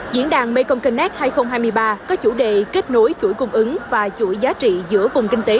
diễn đàn mekong cânetc hai nghìn hai mươi ba có chủ đề kết nối chuỗi cung ứng và chuỗi giá trị giữa vùng kinh tế